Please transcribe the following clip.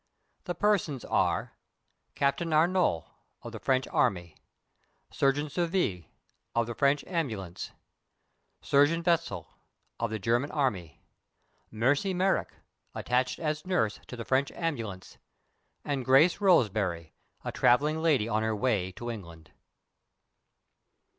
The persons are, Captain Arnault, of the French army; Surgeon Surville, of the French ambulance; Surgeon Wetzel, of the German army; Mercy Merrick, attached as nurse to the French ambulance; and Grace Roseberry, a traveling lady on her way to England.